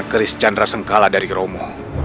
keris ini benar benar luar biasa